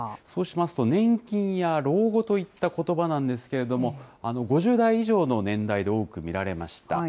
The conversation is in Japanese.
そうしますと年金や老後といったことばなんですけれども、５０代以上の年代で多く見られました。